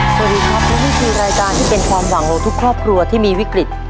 สวัสดีครับและนี่คือรายการที่เป็นความหวังของทุกครอบครัวที่มีวิกฤต